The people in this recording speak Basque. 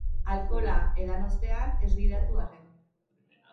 Alkohola edan ostean, ez gidatu, arren.